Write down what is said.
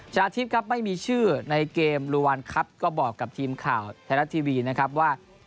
ชนะทิพย์ครับไม่มีชื่อในเกมลูวันครับก็บอกกับทีมข่าวไทยรัฐทีวีนะครับว่า